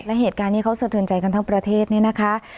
และเหตุการณ์ที่เขาสะเทือนใจกันทั้งประเทศเนี่ยนะคะ